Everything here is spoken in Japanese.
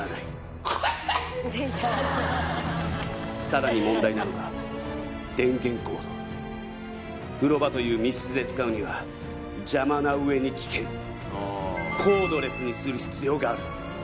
さらに問題なのが電源コード風呂場という密室で使うには邪魔な上に危険コードレスにする必要がある